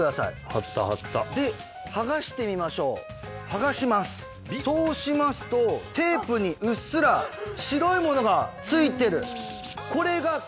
貼った貼ったで剥がしてみましょう剥がしますそうしますとテープにうっすら白いものが付いてるえっ！